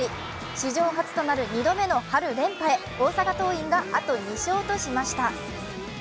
史上初となる２度目の春連覇へ大阪桐蔭があと２勝としました。